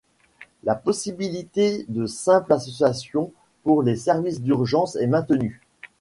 La possibilité de simple association pour les services d'urgence est maintenue.